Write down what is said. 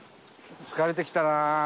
疲れてきたな。